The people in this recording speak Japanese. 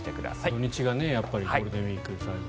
土日がやっぱりねゴールデンウィーク最後。